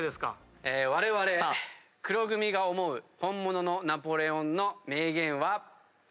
われわれ黒組が思う本物のナポレオンの名言は。